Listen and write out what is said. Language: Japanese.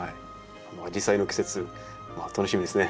アジサイの季節楽しみですね。